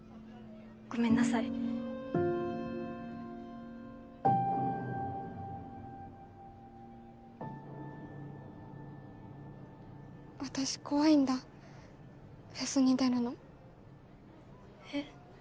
ごめんなさい私怖いんだフェスに出るのえっ？